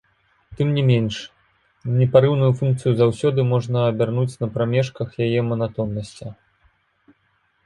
Тым не менш, непарыўную функцыю заўсёды можна абярнуць на прамежках яе манатоннасці.